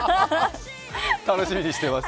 楽しみにしています